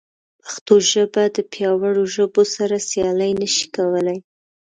پښتو ژبه د پیاوړو ژبو سره سیالي نه شي کولی.